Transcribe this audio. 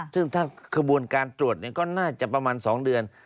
ซึ่งถ้าขบวนการตรวจก็น่าจะประมาณ๒เดือน